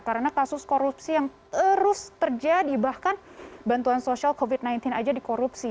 karena kasus korupsi yang terus terjadi bahkan bantuan sosial covid sembilan belas aja dikorupsi